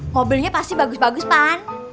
mobilnya pasti bagus bagus kan